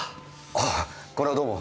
あぁこれはどうも。